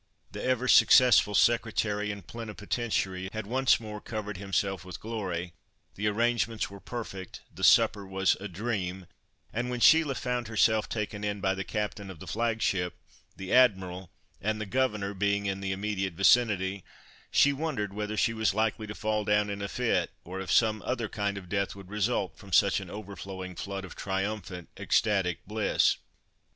The ever successful secretary and plenipotentiary had once more covered himself with glory; the arrangements were perfect, the supper was "a dream," and when Sheila found herself taken in by the Captain of the flag ship, the Admiral and the Governor being in the immediate vicinity, she wondered whether she was likely to fall down in a fit, or if some other kind of death would result from such an overflowing flood of triumphant, ecstatic bliss.